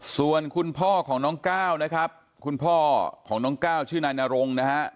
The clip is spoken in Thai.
ส่วนคุณพ่อของน้องก้าวนะครับคุณพ่อของน้องก้าวชื่อนายนรงนะฮะ